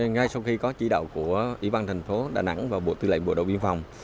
ngay sau khi có chỉ đạo của ủy ban thành phố đà nẵng và bộ tư lệnh bộ đội biên phòng